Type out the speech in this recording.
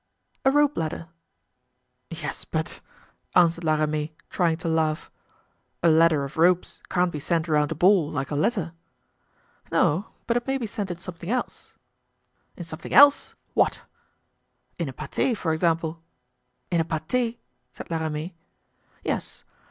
"A rope ladder." "Yes, but," answered La Ramee, trying to laugh, "a ladder of ropes can't be sent around a ball, like a letter." "No, but it may be sent in something else." "In something else—in something else? In what?" "In a pate, for example." "In a pate?" said La Ramee. "Yes.